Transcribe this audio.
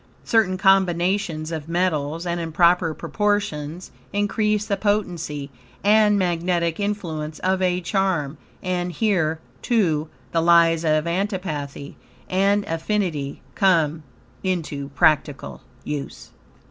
Certain combinations of metals, and in proper proportions, increase the potency and magnetic influence of a charm; and here, too, the laws of antipathy and affinity come into practical use.